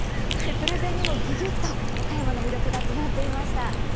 プレゼンにもぎゅぎゅっと和歌山の魅力が詰まっていました。